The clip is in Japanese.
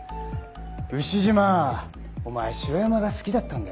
牛島お前城山が好きだったんだよな？